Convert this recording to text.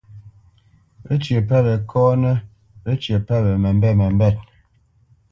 Wécyə̌ pə́ we kɔ́nə́, wécyə̌ pə́ we məmbêt məmbêt.